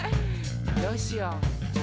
どうしよう？